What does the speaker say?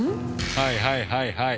はいはいはいはい。